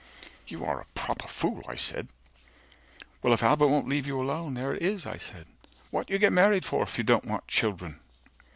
You are a proper fool, I said. Well, if Albert won't leave you alone, there it is, I said, What you get married for if you don't want children?